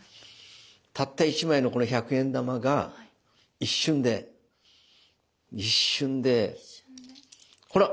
たった一枚のこの１００円玉が一瞬で一瞬でほら！